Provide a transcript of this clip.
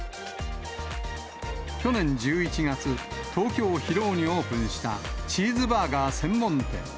去年１１月、東京・広尾にオープンしたチーズバーガー専門店。